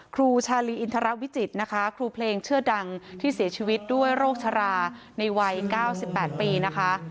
ครูชาลีอินทรวิจิตรนะคะครูเพลงชื่อดังที่เสียชีวิตด้วยโรคชราในวัย๙๘ปีนะคะ